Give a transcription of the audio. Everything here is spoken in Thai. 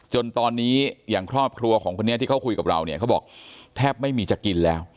จนตอนนี้อย่างครอบครัวของคนนี้ที่เขาคุยกับเราเนี่ยเขาบอกแทบไม่มีจะกินแล้ว